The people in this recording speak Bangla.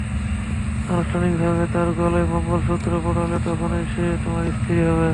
আনুষ্ঠানিকভাবে তার গলায় মঙ্গলসূত্র পড়ালে, তখনই সে তোমার স্ত্রী হবে।